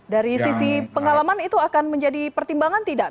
dari sisi pengalaman itu akan menjadi pertimbangan tidak